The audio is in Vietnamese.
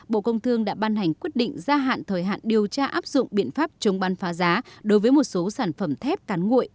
bộ công thương đã ban hành quyết định gia hạn thời hạn điều tra áp dụng biện pháp chống bán phá giá đối với một số sản phẩm thép cán nguội